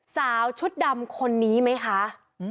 สาวชุดดำคนนี้ไหมคะ